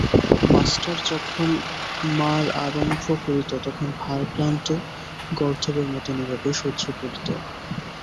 Master যখন মার আরম্ভ করিত তখন ভারক্লান্ত গর্দভের মতো নীরবে সহ্য করিত।